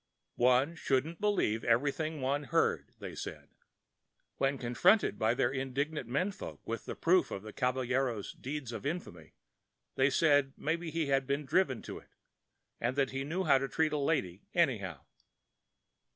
One shouldn't believe everything one heard, they said. When confronted by their indignant men folk with proof of the caballero's deeds of infamy, they said maybe he had been driven to it, and that he knew how to treat a lady, anyhow.